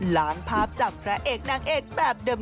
ล้างภาพจากพระเอกนางเอกแบบเดิม